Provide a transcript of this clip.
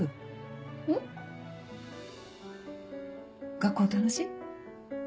学校楽しい？